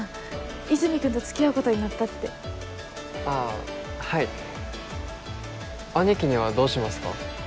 和泉君と付き合うことになったってああはい兄貴にはどうしますか？